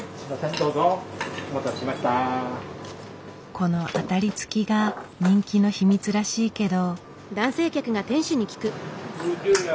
このアタリ付きが人気の秘密らしいけど。